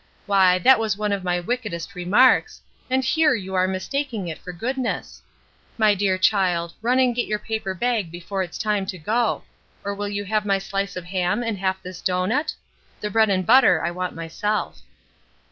Why, that was one of my wickedest remarks, and here you are mistaking it for goodness. My dear child, run and get your paper bag before it is time to go; or will you have my slice of ham and half this doughnut? The bread and butter I want myself."